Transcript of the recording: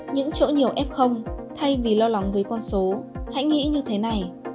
những chỗ nhiều ép không thay vì lo lắng với con số hãy nghĩ như thế này